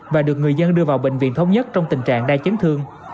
và được người dân đưa vào bệnh viện thống nhất trong tình trạng đai chấn thương